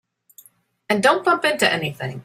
And don't bump into anything.